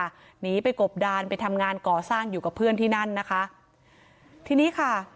หนีไปกบดานไปทำงานก่อสร้างอยู่กับเพื่อนที่นั่นนะคะทีนี้ค่ะ